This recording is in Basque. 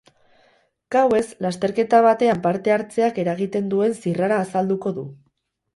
Gauez lasterketa batean parte hartzeak eragiten duen zirrara azalduko du.